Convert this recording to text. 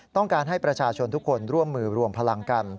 ต้องการให้ประชาชนทุกคนร่วมมือรวมพลังกัน